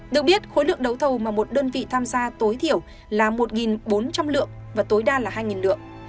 được biết khối lượng đấu thầu mà một đơn vị tham gia tối thiểu là một bốn trăm linh lượng và tối đa là hai lượng